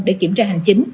để kiểm tra hành chính